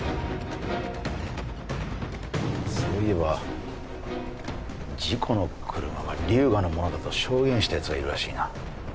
そういえば事故の車は龍河のものだと証言した奴がいるらしいな。